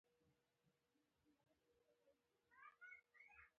ډیپلوماسي د تمدنونو تر منځ د سیاسي اطلاعاتو مهمه وسیله وه